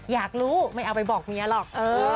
อยากรู้ไม่เอาไปบอกเมียหรอก